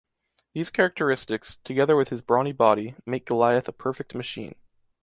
These characteristics, together with his brawny body, make Goliath a perfect machine.